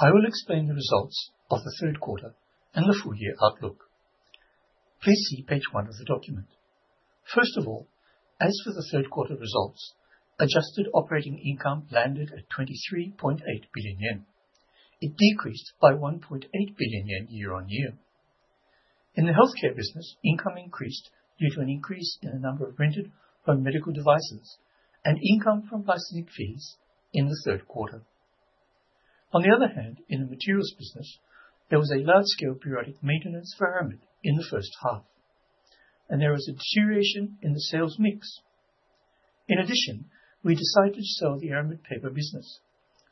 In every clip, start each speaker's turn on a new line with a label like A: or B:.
A: I will explain the results of the Q3 and the full year outlook. Please see page one of the document. First of all, as for the Q3 results, adjusted operating income landed at 23.8 billion yen. It decreased by 1.8 billion yen year-on-year. In the healthcare business, income increased due to an increase in the number of rented home medical devices and income from licensing fees in the Q3. On the other hand, in the materials business, there was a large-scale periodic maintenance for aramid in the first half, and there was a deterioration in the sales mix. In addition, we decided to sell the aramid paper business,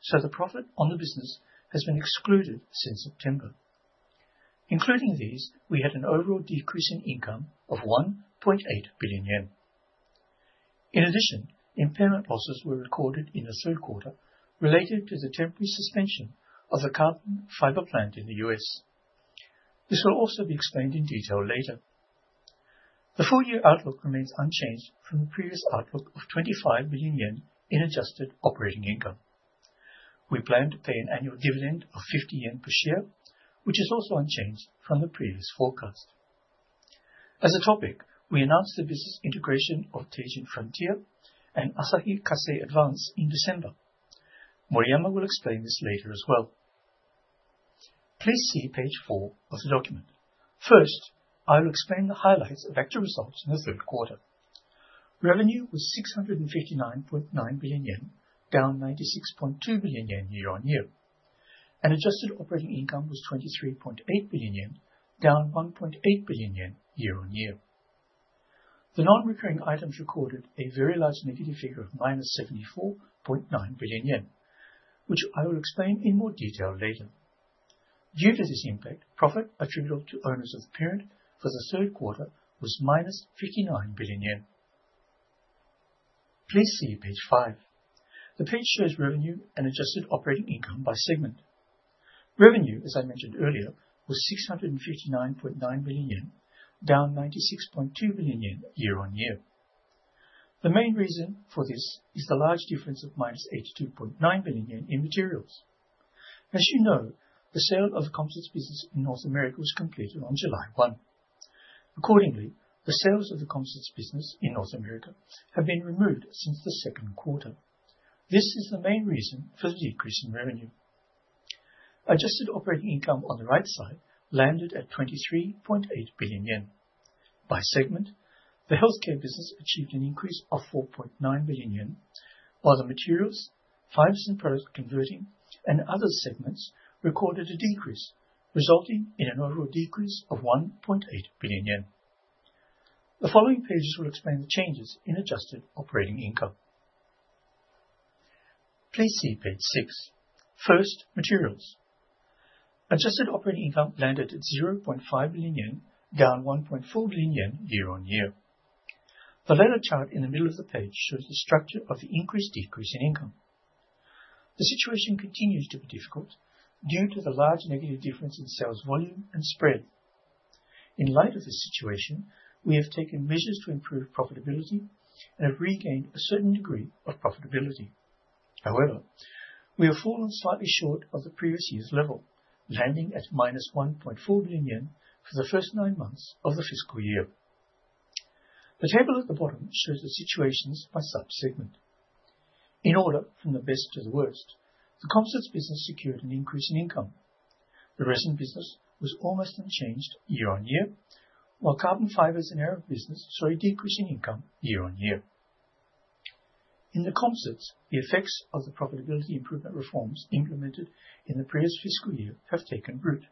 A: so the profit on the business has been excluded since September. Including these, we had an overall decrease in income of 1.8 billion yen. Impairment losses were recorded in the Q3 related to the temporary suspension of the carbon fiber plant in the U.S. This will also be explained in detail later. The full-year outlook remains unchanged from the previous outlook of 25 billion yen in adjusted operating income. We plan to pay an annual dividend of 50 yen per share, which is also unchanged from the previous forecast. As a topic, we announced the business integration of Teijin Frontier and Asahi Kasei Advance in December. Moriyama will explain this later as well. Please see page four of the document. I will explain the highlights of actual results in the Q3. Revenue was 659.9 billion yen, down 96.2 billion yen year-on-year, and adjusted operating income was 23.8 billion yen, down 1.8 billion yen year-on-year. The non-recurring items recorded a very large negative figure of -74.9 billion yen, which I will explain in more detail later. Due to this impact, profit attributable to owners of the parent for the Q3 was -59 billion yen. Please see page five. The page shows revenue and adjusted operating income by segment. Revenue, as I mentioned earlier, was 659.9 billion yen, down 96.2 billion yen year-on-year. The main reason for this is the large difference of -82.9 billion yen in materials. As you know, the sale of the composites business in North America was completed on July 1. Accordingly, the sales of the composites business in North America have been removed since the Q2. This is the main reason for the decrease in revenue. Adjusted operating income on the right side landed at 23.8 billion yen. By segment, the healthcare business achieved an increase of 4.9 billion yen, while the materials, Fibers & Products Converting, and other segments recorded a decrease, resulting in an overall decrease of 1.8 billion yen. The following pages will explain the changes in adjusted operating income. Please see page six. First, materials. Adjusted operating income landed at 0.5 billion yen, down 1.4 billion yen year-on-year. The latter chart in the middle of the page shows the structure of the increase/decrease in income. The situation continues to be difficult due to the large negative difference in sales volume and spread. In light of this situation, we have taken measures to improve profitability and have regained a certain degree of profitability. However, we have fallen slightly short of the previous year's level, landing at minus 1.4 billion yen for the first nine months of the fiscal year. The table at the bottom shows the situations by segment. In order from the best to the worst, the composites business secured an increase in income. The resin business was almost unchanged year-on-year, while carbon fibers and aramid business saw a decrease in income year-on-year. In the composites, the effects of the profitability improvement reforms implemented in the previous fiscal year have taken root,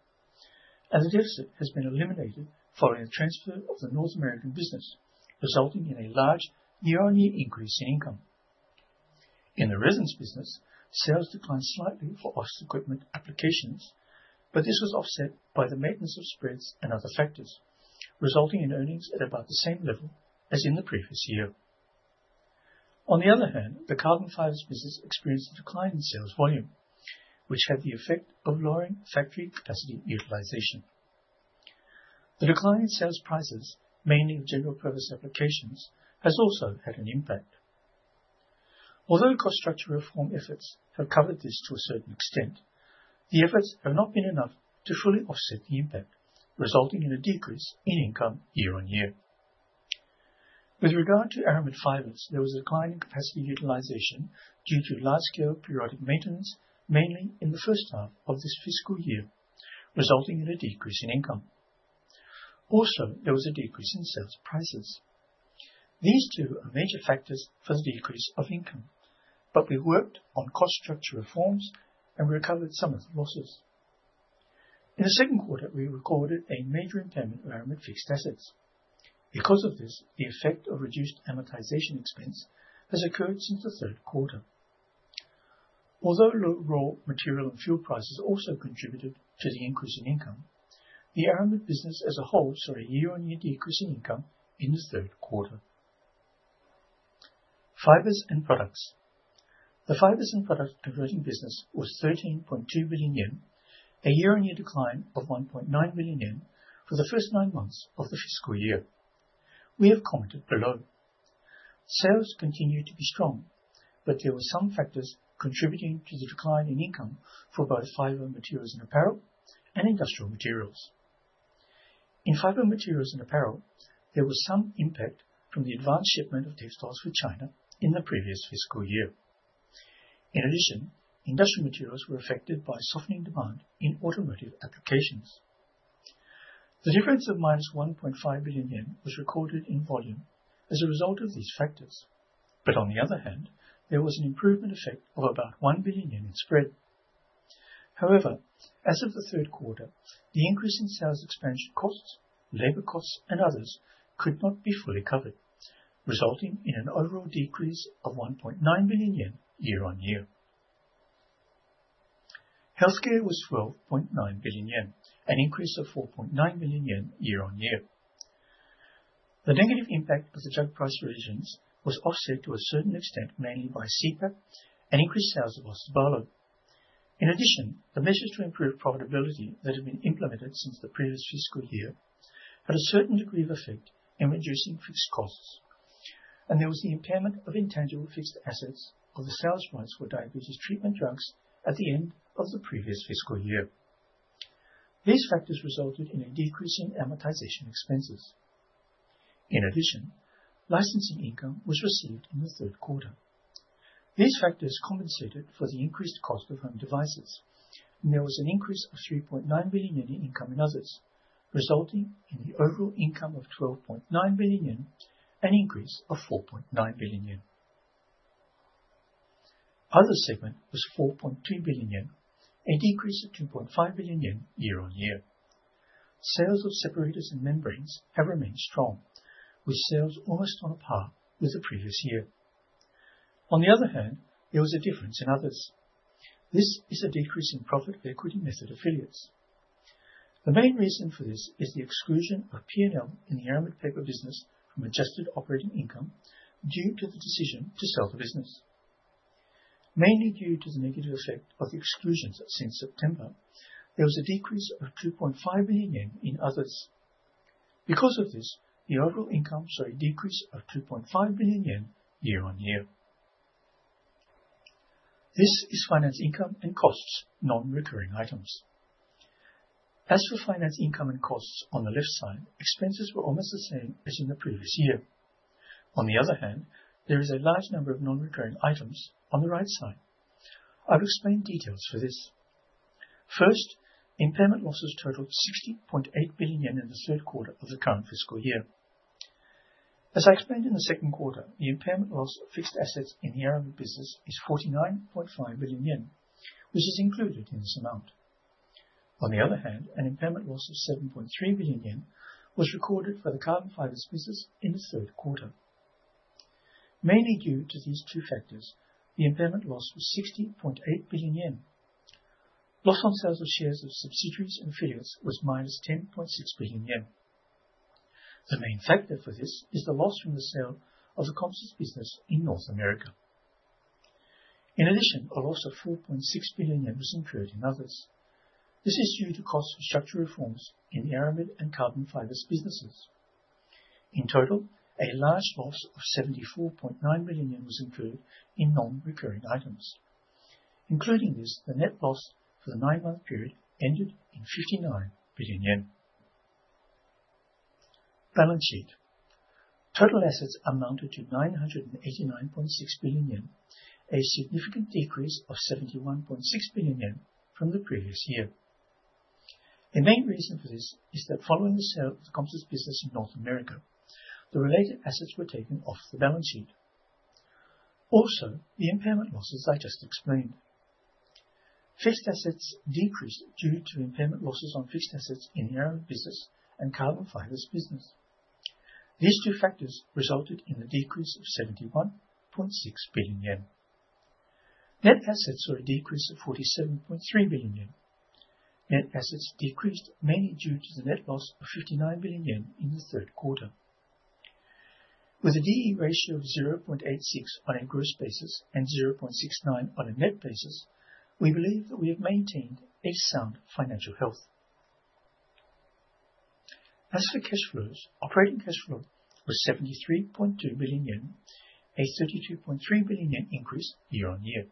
A: and the deficit has been eliminated following the transfer of the North American business, resulting in a large year-on-year increase in income. In the resins business, sales declined slightly for office equipment applications, but this was offset by the maintenance of spreads and other factors, resulting in earnings at about the same level as in the previous year. On the other hand, the carbon fibers business experienced a decline in sales volume, which had the effect of lowering factory capacity utilization. The decline in sales prices, mainly in general purpose applications, has also had an impact. Although cost structure reform efforts have covered this to a certain extent, the efforts have not been enough to fully offset the impact, resulting in a decrease in income year-on-year. With regard to aramid fibers, there was a decline in capacity utilization due to large-scale periodic maintenance, mainly in the first half of this fiscal year, resulting in a decrease in income. Also, there was a decrease in sales prices. These two are major factors for the decrease of income, we worked on cost structure reforms and recovered some of the losses. In the Q2, we recorded a major impairment of aramid fixed assets. Because of this, the effect of reduced amortization expense has occurred since the Q3. Although low raw material and fuel prices also contributed to the increase in income, the aramid business as a whole saw a year-on-year decrease in income in the Q3. Fibers and Products. The Fibers and Products Converting business was 13.2 billion yen, a year-on-year decline of 1.9 billion yen for the first nine months of the fiscal year. We have commented below sales continued to be strong, there were some factors contributing to the decline in income for both Fiber Materials & Apparel and Industrial Materials. In Fiber Materials and Apparel, there was some impact from the advanced shipment of textiles for China in the previous fiscal year. In addition, industrial materials were affected by softening demand in automotive applications. The difference of minus 1.5 billion yen was recorded in volume as a result of these factors, but on the other hand, there was an improvement effect of about 1 billion in spread. However, as of the Q3, the increase in sales expansion costs, labor costs, and others could not be fully covered, resulting in an overall decrease of 1.9 billion yen year-on-year. Healthcare was 12.9 billion yen, an increase of 4.9 million yen year-on-year. The negative impact of the drug price reductions was offset to a certain extent, mainly by CPAP and increased sales of OSTABALO. The measures to improve profitability that have been implemented since the previous fiscal year, had a certain degree of effect in reducing fixed costs, and there was the impairment of intangible fixed assets for the sales price for diabetes treatment drugs at the end of the previous fiscal year. These factors resulted in a decrease in amortization expenses. Licensing income was received in the Q3. These factors compensated for the increased cost of home medical devices, and there was an increase of 3.9 billion yen in income and others, resulting in the overall income of 12.9 billion yen, an increase of 4.9 billion yen. The other segment was 4.2 billion yen, a decrease of 2.5 billion yen year-on-year. Sales of separators and membranes have remained strong, with sales almost on a par with the previous year. There was a difference in others. This is a decrease in profit equity method affiliates. The main reason for this is the exclusion of P&L in the Aramid Paper business from adjusted operating income due to the decision to sell the business. Mainly due to the negative effect of the exclusions since September, there was a decrease of 2.5 billion yen in others. Because of this, the overall income saw a decrease of 2.5 billion yen year-on-year. This is finance income and costs, non-recurring items. As for finance income and costs on the left side, expenses were almost the same as in the previous year. On the other hand, there is a large number of non-recurring items on the right side. I'll explain details for this. First, impairment losses totaled 60.8 billion yen in the Q3 of the current fiscal year. As I explained in the Q3, the impairment loss of fixed assets in the Aramid business is 49.5 billion yen, which is included in this amount. On the other hand, an impairment loss of 7.3 billion yen was recorded for the Carbon Fibers business in the Q3. Mainly due to these two factors, the impairment loss was 60.8 billion yen. Loss on sales of shares of subsidiaries and affiliates was minus 10.6 billion yen. The main factor for this is the loss from the sale of the composites business in North America. In addition, a loss of JPY 4.6 billion was incurred in others. This is due to cost of structural reforms in the Aramid and Carbon Fibers businesses. In total, a large loss of 74.9 billion yen was incurred in non-recurring items, including this, the net loss for the nine-month period ended in 59 billion yen. Balance sheet. Total assets amounted to 989.6 billion yen, a significant decrease of 71.6 billion yen from the previous year. The main reason for this is that following the sale of the composites business in North America, the related assets were taken off the balance sheet. The impairment losses I just explained. Fixed assets decreased due to impairment losses on fixed assets in the aramid business and carbon fibers business. These two factors resulted in a decrease of 71.6 billion yen. Net assets saw a decrease of 47.3 billion yen. Net assets decreased mainly due to the net loss of 59 billion yen in the Q3. With a D/E ratio of 0.86 on a gross basis and 0.69 on a net basis, we believe that we have maintained a sound financial health. As for cash flows, operating cash flow was 73.2 billion yen, a 32.3 billion yen increase year-on-year.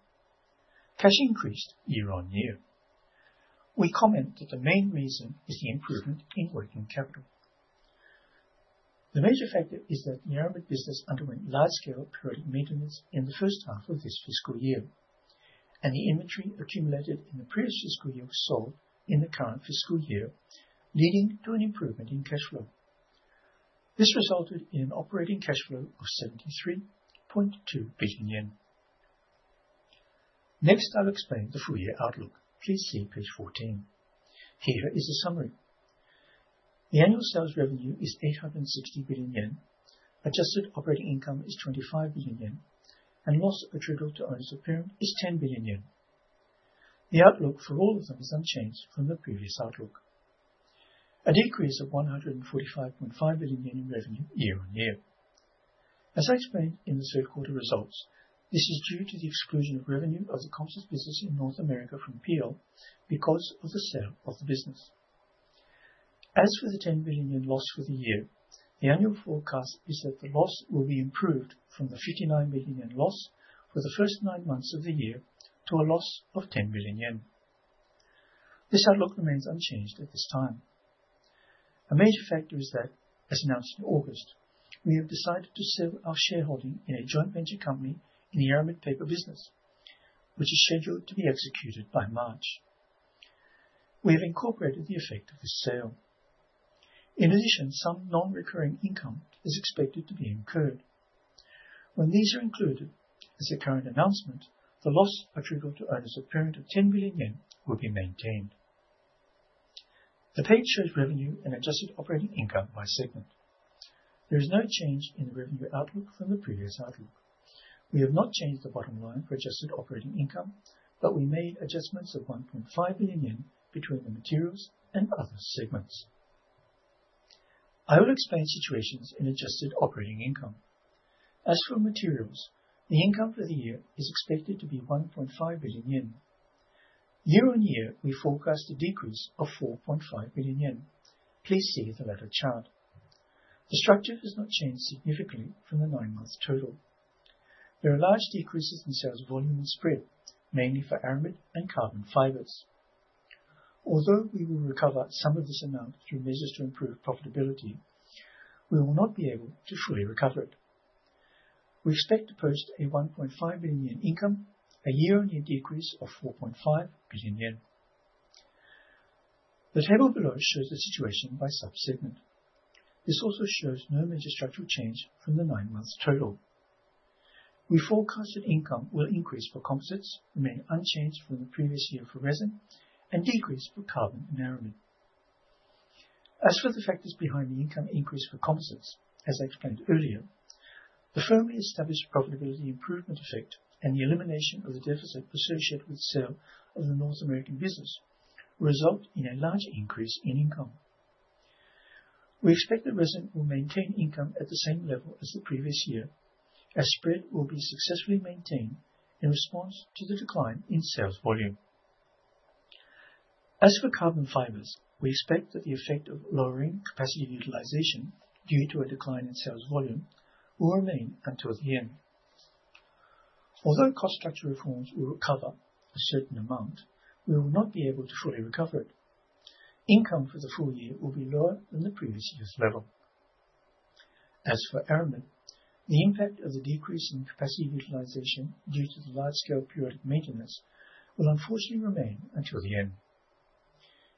A: Cash increased year-on-year. We comment that the main reason is the improvement in working capital. The major factor is that the Aramid business underwent large-scale periodic maintenance in the first half of this fiscal year, and the inventory accumulated in the previous fiscal year was sold in the current fiscal year, leading to an improvement in cash flow. This resulted in operating cash flow of 73.2 billion yen. Next, I'll explain the full-year outlook. Please see page 14. Here is a summary. The annual sales revenue is 860 billion yen, adjusted operating income is 25 billion yen, and loss attributable to owners of the parent is 10 billion yen. The outlook for all of them is unchanged from the previous outlook. A decrease of 145.5 billion yen in revenue year-on-year. As I explained in the Q3 results, this is due to the exclusion of revenue of the composites business in North America from P&L because of the sale of the business. As for the 10 billion yen loss for the year, the annual forecast is that the loss will be improved from the 59 billion yen loss for the first nine months of the year to a loss of 10 billion yen. This outlook remains unchanged at this time. A major factor is that, as announced in August, we have decided to sell our shareholding in a joint venture company in the aramid paper business, which is scheduled to be executed by March. We have incorporated the effect of this sale. In addition, some non-recurring income is expected to be incurred. When these are included as a current announcement, the loss attributable to owners of parent of 10 billion yen will be maintained. The page shows revenue and adjusted operating income by segment. There is no change in the revenue outlook from the previous outlook. We have not changed the bottom line for adjusted operating income, but we made adjustments of 1.5 billion yen between the materials and other segments. I will explain situations in adjusted operating income. As for materials, the income for the year is expected to be 1.5 billion yen. Year-on-year, we forecast a decrease of 4.5 billion yen. Please see the latter chart. The structure has not changed significantly from the nine-month total. There are large decreases in sales volume and spread, mainly for aramid and carbon fibers. Although we will recover some of this amount through measures to improve profitability, we will not be able to fully recover it. We expect to post a 1.5 billion yen income, a year-on-year decrease of 4.5 billion yen. The table below shows the situation by sub-segment. This also shows no major structural change from the nine-month total. We forecast that income will increase for composites, remain unchanged from the previous year for resin, and decrease for carbon and aramid. As for the factors behind the income increase for composites, as I explained earlier, the firmly established profitability improvement effect and the elimination of the deficit associated with sale of the North American business result in a large increase in income. We expect that resin will maintain income at the same level as the previous year, as spread will be successfully maintained in response to the decline in sales volume. As for carbon fibers, we expect that the effect of lowering capacity utilization due to a decline in sales volume will remain until the end. Although cost structure reforms will recover a certain amount, we will not be able to fully recover it. Income for the full year will be lower than the previous year's level. As for aramid, the impact of the decrease in capacity utilization due to the large-scale periodic maintenance will unfortunately remain until the end.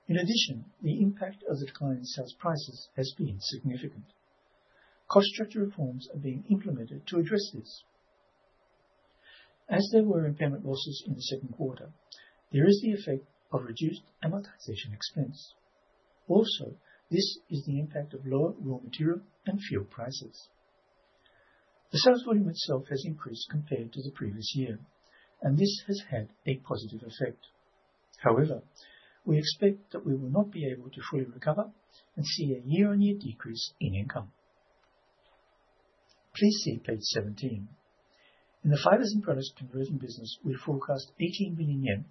A: The impact of the decline in sales prices has been significant. Cost structure reforms are being implemented to address this. As there were impairment losses in the Q2, there is the effect of reduced amortization expense. This is the impact of lower raw material and fuel prices. The sales volume itself has increased compared to the previous year, and this has had a positive effect. We expect that we will not be able to fully recover and see a year-on-year decrease in income. Please see page 17. In the Fibers & Products Converting business, we forecast 18 billion yen,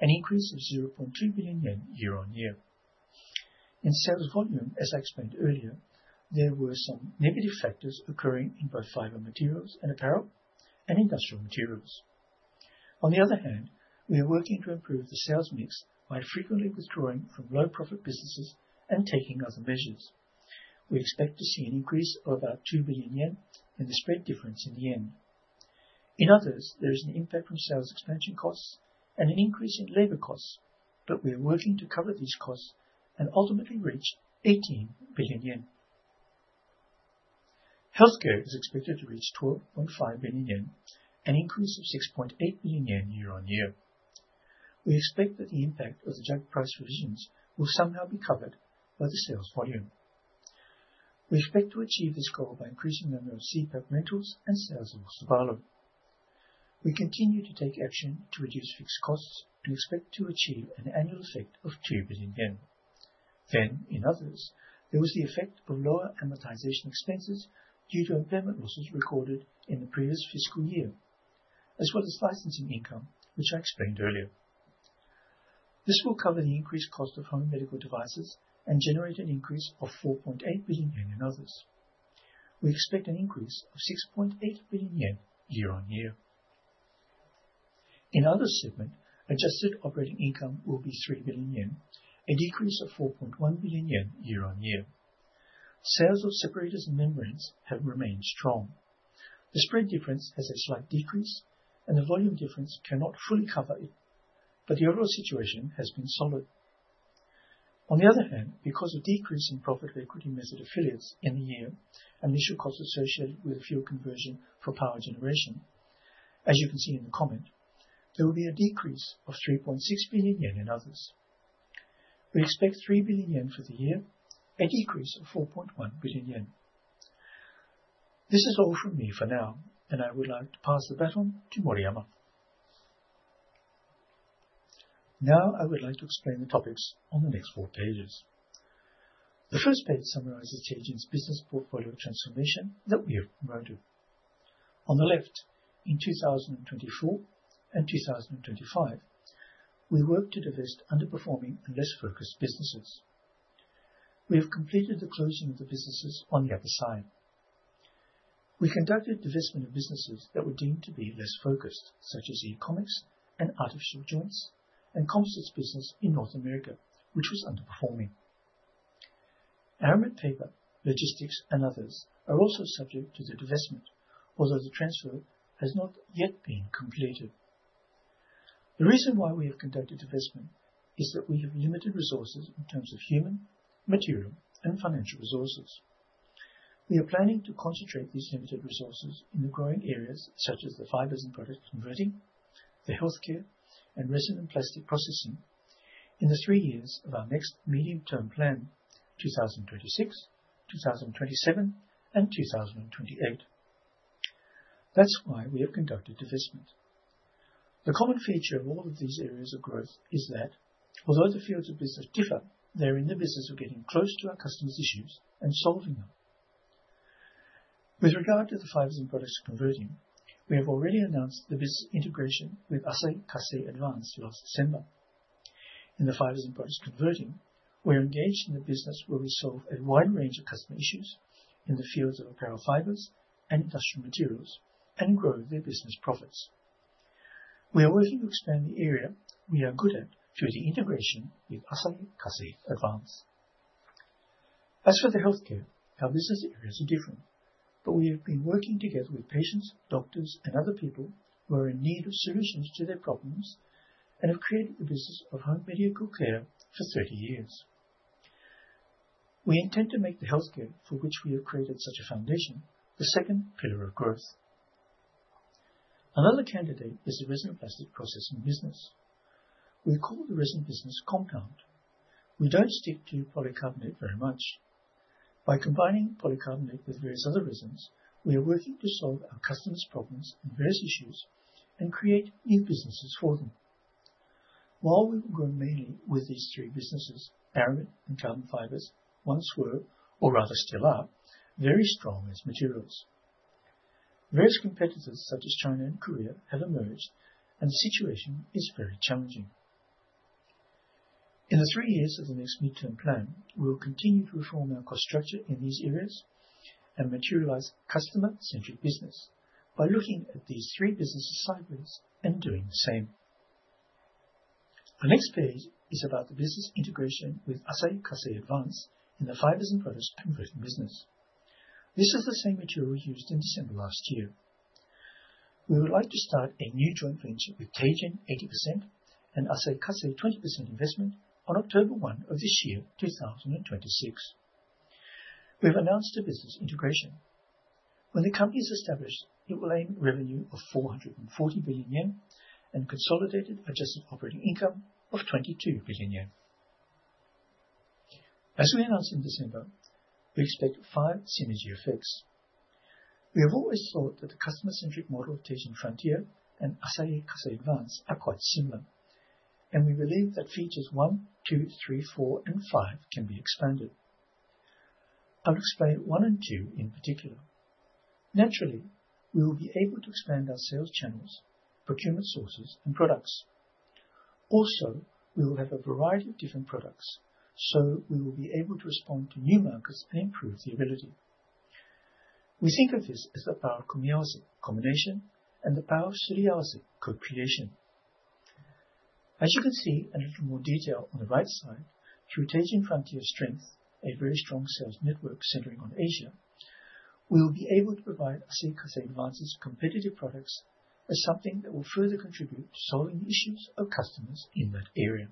A: an increase of 0.2 billion yen year-on-year. In sales volume, as I explained earlier, there were some negative factors occurring in both Fiber Materials & Apparel and industrial materials. On the other hand, we are working to improve the sales mix by frequently withdrawing from low-profit businesses and taking other measures. We expect to see an increase of about 2 billion yen in the spread difference in the end. In others, there is an impact from sales expansion costs and an increase in labor costs, but we are working to cover these costs and ultimately reach 18 billion yen. Healthcare is expected to reach 12.5 billion yen, an increase of 6.8 billion yen year-on-year. We expect that the impact of the drug price revisions will somehow be covered by the sales volume. We expect to achieve this goal by increasing the number of CPAP rentals and sales of OSTABALO. We continue to take action to reduce fixed costs. We expect to achieve an annual effect of 2 billion yen. In others, there was the effect of lower amortization expenses due to impairment losses recorded in the previous fiscal year, as well as licensing income, which I explained earlier. This will cover the increased cost of home medical devices and generate an increase of 4.8 billion yen in others. We expect an increase of 6.8 billion yen year-on-year. In other segment, adjusted operating income will be 3 billion yen, a decrease of 4.1 billion yen year-on-year. Sales of separators and membranes have remained strong. The spread difference has a slight decrease, and the volume difference cannot fully cover it, but the overall situation has been solid. On the other hand, because of decrease in Profit equity method affiliates in the year and initial costs associated with fuel conversion for power generation, as you can see in the comment, there will be a decrease of 3.6 billion yen in others. We expect 3 billion yen for the year, a decrease of 4.1 billion yen. This is all from me for now, and I would like to pass the baton to Moriyama.
B: Now, I would like to explain the topics on the next four pages. The first page summarizes Teijin's business portfolio transformation that we have promoted. On the left, in 2024 and 2025, we worked to divest underperforming and less focused businesses. We have completed the closing of the businesses on the other side. We conducted divestment of businesses that were deemed to be less focused, such as e-commerce and artificial joints, and composites business in North America, which was underperforming. Aramid paper, logistics, and others are also subject to the divestment, although the transfer has not yet been completed. The reason why we have conducted divestment is that we have limited resources in terms of human, material, and financial resources. We are planning to concentrate these limited resources in the growing areas, such as the Fibers & Products Converting, the healthcare, and Resin and Plastic Processing in the 3 years of our next medium-term plan, 2026, 2027, and 2028. That's why we have conducted divestment. The common feature of all of these areas of growth is that although the fields of business differ, they're in the business of getting close to our customers' issues and solving them. With regard to the Fibers & Products Converting, we have already announced the business integration with Asahi Kasei Advance last December. In the Fibers & Products Converting, we're engaged in the business where we solve a wide range of customer issues in the fields of Apparel Fibers and industrial materials, and grow their business profits. We are working to expand the area we are good at through the integration with Asahi Kasei Advance. For the healthcare, our business areas are different, but we have been working together with patients, doctors, and other people who are in need of solutions to their problems, and have created the business of home medical care for 30 years. We intend to make the healthcare for which we have created such a foundation, the second pillar of growth. Another candidate is the Resin and Plastic Processing business. We call the resin business compounding. We don't stick to polycarbonate very much. By combining polycarbonate with various other resins, we are working to solve our customers' problems and various issues and create new businesses for them. While we will grow mainly with these 3 businesses, aramid and carbon fibers once were, or rather still are, very strong as materials. Various competitors such as China and Korea have emerged, and the situation is very challenging. In the 3 years of the next medium-term plan, we will continue to reform our cost structure in these areas and materialize customer-centric business by looking at these 3 business cycles and doing the same. The next page is about the business integration with Asahi Kasei Advance in the Fibers & Products Converting business. This is the same material we used in December last year. We would like to start a new joint venture with Teijin 80% and Asahi Kasei 20% investment on October 1 of this year, 2026. We have announced a business integration. When the company is established, it will aim at revenue of 440 billion yen and consolidated adjusted operating income of 22 billion yen. As we announced in December, we expect 5 synergy effects. We have always thought that the customer-centric model of Teijin Frontier and Asahi Kasei Advance are quite similar, and we believe that features 1, 2, 3, 4, and 5 can be expanded. I'll explain 1 and 2 in particular. Naturally, we will be able to expand our sales channels, procurement sources, and products. We will have a variety of different products, so we will be able to respond to new markets and improve the ability. We think of this as the power combination, combination, and the power synergy co-creation. As you can see a little more detail on the right side, through Teijin Frontier's strength, a very strong sales network centering on Asia, we will be able to provide Asahi Kasei Advance's competitive products as something that will further contribute to solving the issues of customers in that area.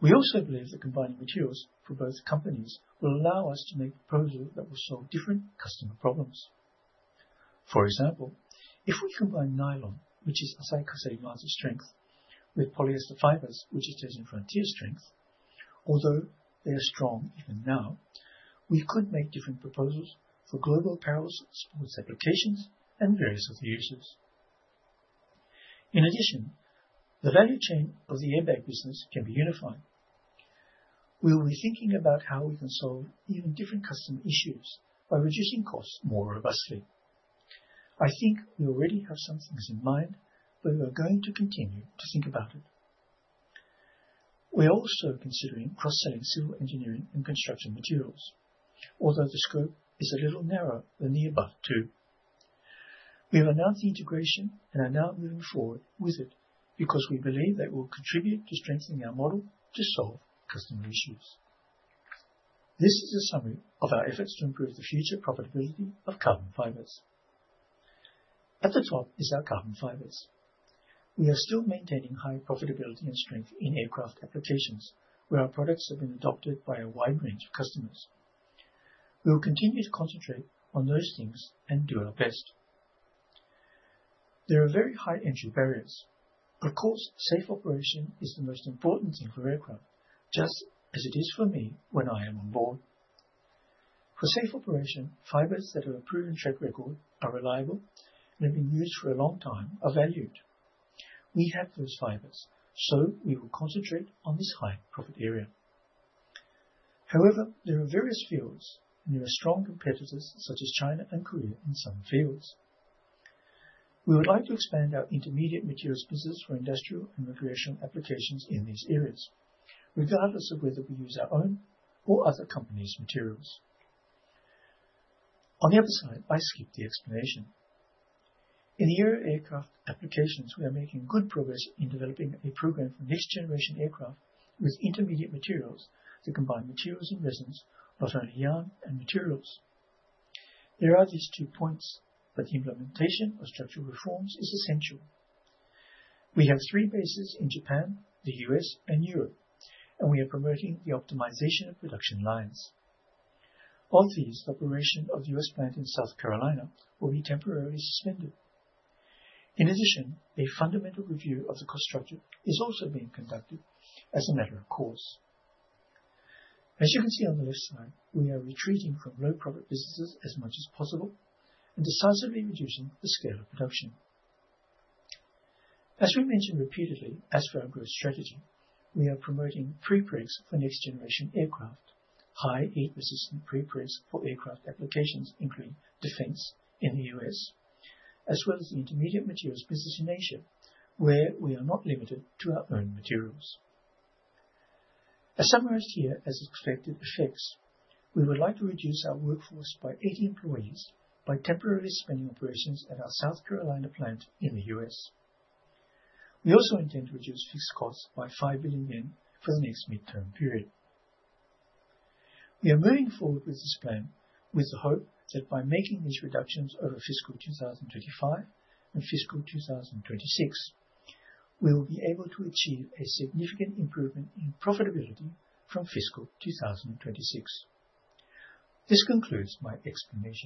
B: We also believe that combining materials for both companies will allow us to make proposals that will solve different customer problems. For example, if we combine nylon, which is Asahi Kasei Advance's strength, with polyester fibers, which is Teijin Frontier's strength, although they are strong even now, we could make different proposals for global apparel, sports applications, and various other uses. In addition, the value chain of the airbag business can be unified. We will be thinking about how we can solve even different customer issues by reducing costs more robustly. I think we already have some things in mind, but we are going to continue to think about it. We are also considering cross-selling civil engineering and construction materials, although the scope is a little narrower than the above two. We have announced the integration and are now moving forward with it because we believe that it will contribute to strengthening our model to solve customer issues. This is a summary of our efforts to improve the future profitability of carbon fibers. At the top is our carbon fibers. We are still maintaining high profitability and strength in aircraft applications, where our products have been adopted by a wide range of customers. We will continue to concentrate on those things and do our best. There are very high entry barriers, but of course, safe operation is the most important thing for aircraft, just as it is for me when I am on board. For safe operation, fibers that have a proven track record, are reliable, and have been used for a long time are valued. We have those fibers, so we will concentrate on this high-profit area. There are various fields, and there are strong competitors such as China and Korea in some fields. We would like to expand our intermediate materials business for industrial and recreational applications in these areas, regardless of whether we use our own or other companies' materials. On the other side, I will skip the explanation. In the area of aircraft applications, we are making good progress in developing a program for next-generation aircraft with intermediate materials to combine materials and resins, not only yarn and materials. There are these two points, but the implementation of structural reforms is essential. We have three bases in Japan, the U.S., and Europe, and we are promoting the optimization of production lines. Obviously, the operation of the U.S. plant in South Carolina will be temporarily suspended. A fundamental review of the cost structure is also being conducted as a matter of course. As you can see on the left side, we are retreating from low-profit businesses as much as possible and decisively reducing the scale of production. As we mentioned repeatedly, as for our growth strategy, we are promoting prepregs for next-generation aircraft, high heat-resistant prepregs for aircraft applications, including defense in the U.S., as well as the intermediate materials business in Asia, where we are not limited to our own materials. As summarized here, as expected effects, we would like to reduce our workforce by 80 employees by temporarily suspending operations at our South Carolina plant in the U.S. We also intend to reduce fixed costs by 5 billion yen over the next midterm period. We are moving forward with this plan with the hope that by making these reductions over fiscal 2025 and fiscal 2026, we will be able to achieve a significant improvement in profitability from fiscal 2026. This concludes my explanation.